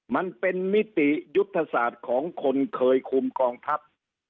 มันเป็นมิติยุทธศาสตร์ของคนเคยคุมกองทัพ